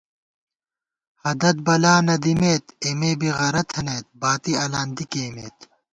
ہدَت بلا نہ دِمېت اېمےبی غرہ تھنَئیت باتی الان دی کېئیمېت